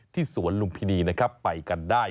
ที่สวนลุงพินีไปกันได้